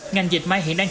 ngành dịch may hiện đang